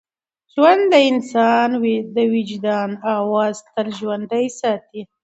ژوند د انسان د وجدان اواز تل ژوندی ساتي.